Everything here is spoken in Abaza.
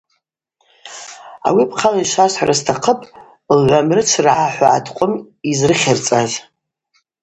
Ауи апхъала йшвасхӏвра стахъыпӏ, Лгӏвамрычвргӏа–хӏва аткъвым йызрыхьырцӏаз.